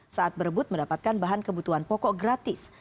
saat berebut mendapatkan bahan kebutuhan pokok gratis